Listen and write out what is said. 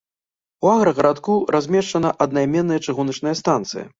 У аграгарадку размешчана аднайменная чыгуначная станцыя.